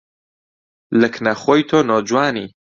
لە کنە خۆی تۆ نۆجوانی